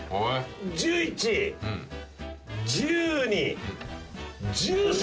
１１１２１３。